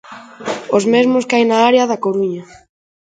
Os mesmos que hai na área da Coruña.